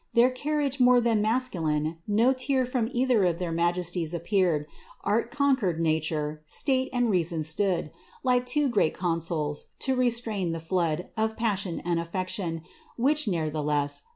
Their carriage more than masculine ; no tear From either of their majesties appear ; Art conquered nature, state and reason stood, Like two great consuls, to restrain the flood Of passion and afiection, which, nevertheless.